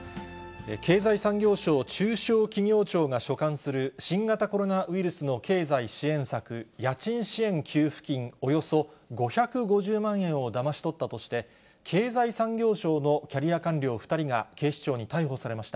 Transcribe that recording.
経済産業省中小企業庁が所管する、新型コロナウイルスの経済支援策、家賃支援給付金およそ５５０万円をだまし取ったとして、経済産業省のキャリア官僚２人が警視庁に逮捕されました。